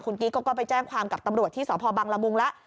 คุณกิ๊กก็ไปแจ้งความที่สภบางระมุงแล้ว